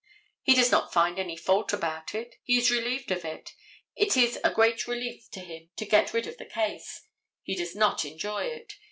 He does not find any fault about it, he is relieved of it. It is a great relief to him to get rid of the case. He does not enjoy it.